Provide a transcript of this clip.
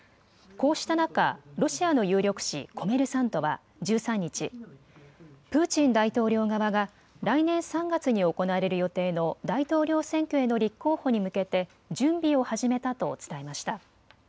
こうした中、ロシアの有力紙、コメルサントは１３日、プーチン大統領側が来年３月に行われる予定の大統領選挙への立候補に向けて準備を始めたと伝えました。